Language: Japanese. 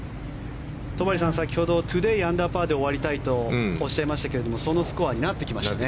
戸張さん、先ほどトゥデーアンダーパーで終わりたいとおっしゃいましたがそのスコアになってきましたね。